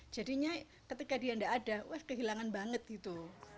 jadinya ketika dia nggak ada wah kehilangan banget gitu